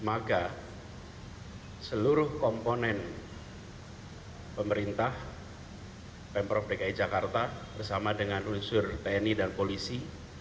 maka seluruh komponen pemerintah pemprov dki jakarta bersama dengan unsur tni dan polisi